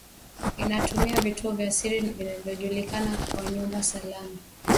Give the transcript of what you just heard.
inatumia vituo vya siri vinavyojulikana kama nyumba salama